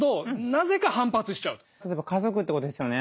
例えば家族ってことですよね。